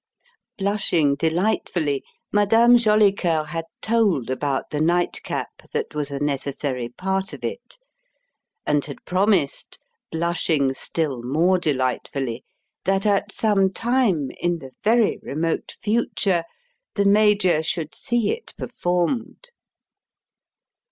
Blushing delightfully, Madame Jolicoeur had told about the night cap that was a necessary part of it; and had promised blushing still more delightfully that at some time, in the very remote future, the Major should see it performed.